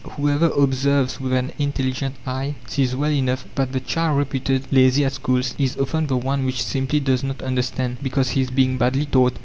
Whoever observes with an intelligent eye, sees well enough that the child reputed lazy at school is often the one which simply does not understand, because he is being badly taught.